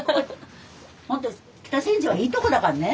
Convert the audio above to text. ほんと北千住はいいとこだかんね。